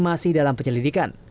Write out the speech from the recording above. masih dalam penyelidikan